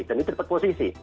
dan itu dapat posisi